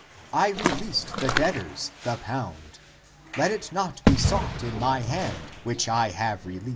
I released the debtors the pound — let it not be sought in my hand, which I 8 Comp.